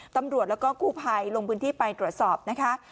ตำรวจแล้วก็กู้ภัยลงพื้นที่ไปตรวจสอบนะคะ